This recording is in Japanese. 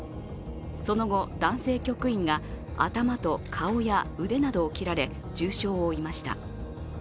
その後、男性局員が頭と顔や腕などを切られ、重傷を負いました。